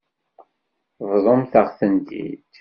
Bḍumt-aɣ-tent-id.